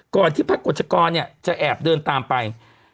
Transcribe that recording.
ที่พระกฎชกรเนี่ยจะแอบเดินตามไป